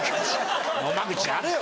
野間口やれよ